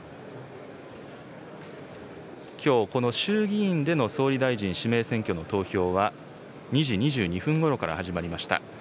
きょう、この衆議院での総理大臣指名選挙の投票は２時２２分ごろから始まりました。